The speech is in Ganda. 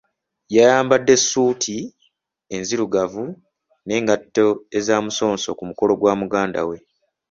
Yayambadde ssuuti enzirugavu n'engatto ez'amusonso ku mukolo gwa muganda we.